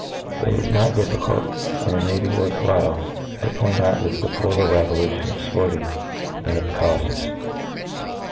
It is not difficult, and it may be , worth while, to point out this deplorable revo lution of fporting in its caufes.